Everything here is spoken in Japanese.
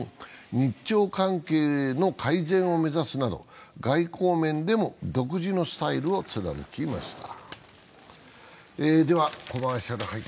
日朝関係の改善を目指すなど、外交面でも独自のスタイルを貫きました。